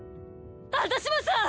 私もさ！